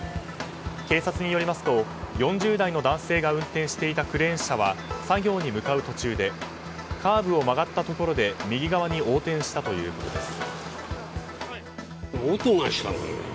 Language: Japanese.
警察によりますと４０代の男性が運転していたクレーン車は作業に向かう途中でカーブを曲がったところで右側に横転したということです。